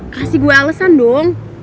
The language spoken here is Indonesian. kasih gue alesan dong